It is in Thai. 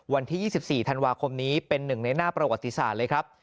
วันที่๒๔ธันวาคมนี้เป็นหนึ่งในหน้าประวัติศาสตร์เลยครับ